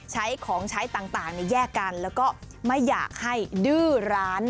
ใช้ของใช้ต่างแยกกันแล้วก็ไม่อยากให้ดื้อร้าน